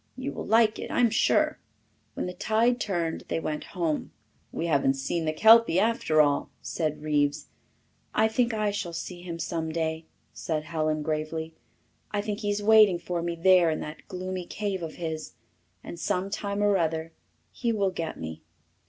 You will like it, I'm sure." When the tide turned they went home. "We haven't seen the kelpy, after all," said Reeves. "I think I shall see him some day," said Helen gravely. "I think he is waiting for me there in that gloomy cave of his, and some time or other he will get me."